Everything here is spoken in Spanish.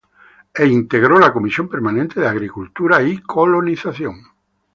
E integró la Comisión Permanente de Agricultura y Colonización.